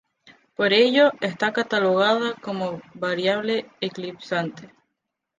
Por ello, está catalogada como variable eclipsante.